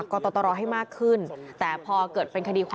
พตรพูดถึงเรื่องนี้ยังไงลองฟังกันหน่อยค่ะ